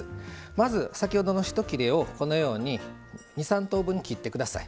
まず、先ほどの一切れを２３等分に切ってください。